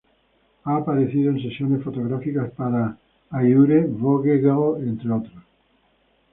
Ha aparecido en sesiones fotográficas para "Allure", "Vogue Girl", entre otros...